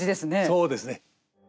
そうですね。